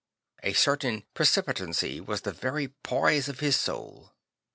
A certain preci pi tancy \vas the very poise of his soul.